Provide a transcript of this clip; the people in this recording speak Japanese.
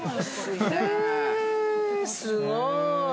◆すごい。